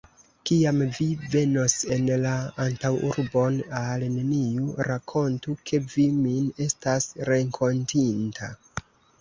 Kiam vi venos en la antaŭurbon, al neniu rakontu, ke vi min estas renkontinta.